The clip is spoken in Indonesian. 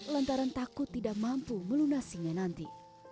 bija mengaku tidak mampu melunasinya nanti